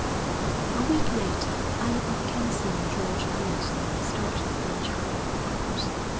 VIII A week later Alec MacKenzie and George Allerton started from Charing Cross.